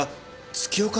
月岡？